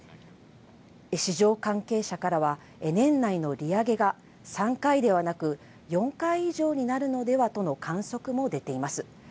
市場関係者からは、年内の利上げが３回ではなく４回以上になるのではとの観測も出ています。